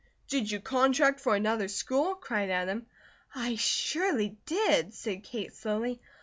"Did you contract for another school?" cried Adam. "I surely did," said Kate slowly.